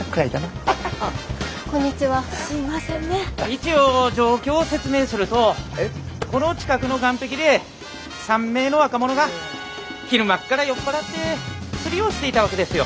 一応状況を説明するとこの近くの岸壁で３名の若者が昼間から酔っ払って釣りをしていたわけですよ。